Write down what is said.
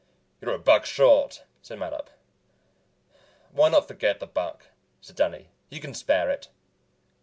"You're a buck short," said Mattup. "Why not forget the buck?" said Danny. "You can spare it."